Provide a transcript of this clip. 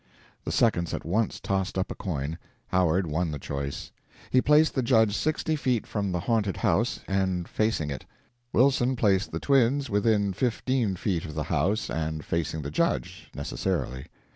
The seconds at once tossed up a coin; Howard won the choice. He placed the judge sixty feet from the haunted house and facing it; Wilson placed the twins within fifteen feet of the house and facing the judge necessarily.